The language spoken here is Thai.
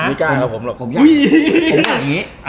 ไม่กล้าเอาผมหรอกผมอยากอุ้ยผมอยากอย่างงี้อะไร